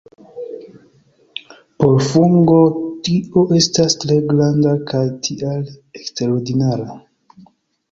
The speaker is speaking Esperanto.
Por fungo tio estas tre granda kaj tial eksterordinara.